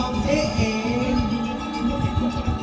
อาจารย์สะเทือนครูดีศิลปันติน